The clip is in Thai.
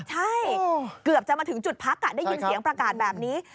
ใช่เกือบจะมาถึงจุดพักได้ยินเสียงประกาศแบบนี้